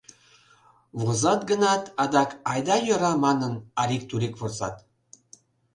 Возат гынат, адак «айда йӧра» манын, арик-турик возат.